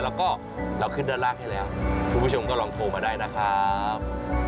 แล้วก็เราขึ้นด้านล่างให้แล้วคุณผู้ชมก็ลองโทรมาได้นะครับ